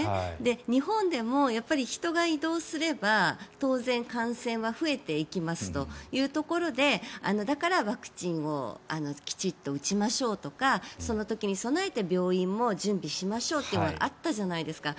日本でも人が移動すれば当然、感染が増えていきますというところでだからワクチンをきちんと打ちましょうとかその時に備えて病院も準備しましょうというのがあったじゃないですか。